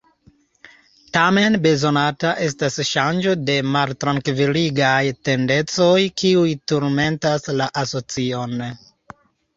Tamen bezonata estas ŝango de maltrankviligaj tendencoj kiuj turmentas la asocion.